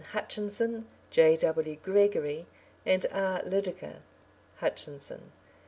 Hutchinson, J. W. Gregory, and R. Lydekker. (Hutchinson.)